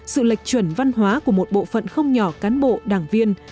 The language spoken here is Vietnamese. sự lệch chuẩn văn hóa của một bộ phận không nhỏ cán bộ đảng viên